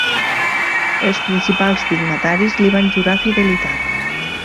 Els principals dignataris li van jurar fidelitat.